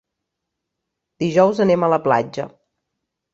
Dijous anem a la platja.